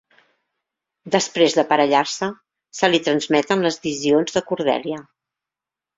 Després d'aparellar-se, se li transmeten les visions de Cordèlia.